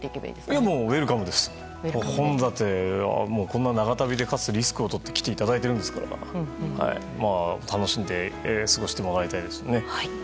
こんな長旅でリスクをとって来ていただいているんですから楽しんで過ごしてもらいたいですね。